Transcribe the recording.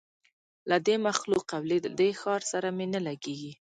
له دې مخلوق او له دې ښار سره مي نه لګیږي